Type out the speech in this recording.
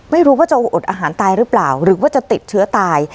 ไม่รู้ว่าจะอดอาหารตายหรือเปล่าหรือว่าจะติดเชื้อตาย